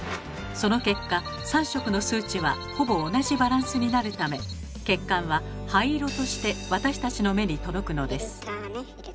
その結果３色の数値はほぼ同じバランスになるため血管は灰色として私たちの目に届くのです。